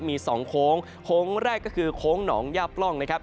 มีสองโค้งโค้งแรกก็คือโค้งหนองย่าปล่องนะครับ